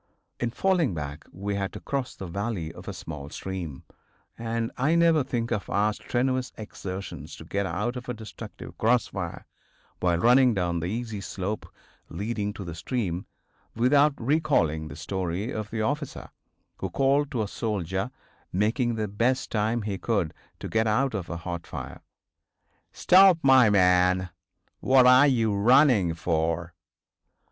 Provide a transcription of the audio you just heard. In falling back we had to cross the valley of a small stream, and I never think of our strenuous exertions to get out of a destructive cross fire, while running down the easy slope leading to the stream, without recalling the story of the officer who called to a soldier making the best time he could to get out of a hot fire: "Stop, my man! What are you running for?"